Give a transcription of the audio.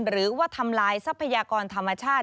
หรือว่าทำลายทรัพยากรธรรมชาติ